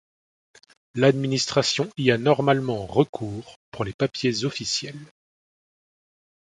L'administration y a normalement recours pour les papiers officiels.